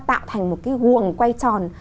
tạo thành một cái huồng quay tròn